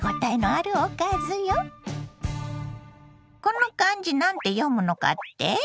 この漢字なんて読むのかって？